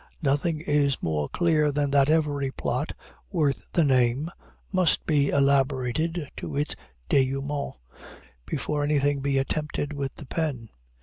Nothing is more clear than that every plot, worth the name, must be elaborated to its dénouement before anything be attempted with the pen.